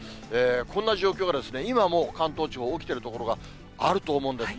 こんな状況が、今も関東地方、雷、起きている所があると思うんですね。